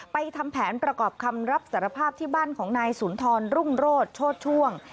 ทำแผนประกอบคำรับสารภาพที่บ้านของนายสุนทรรุ่งโรศโชธช่วง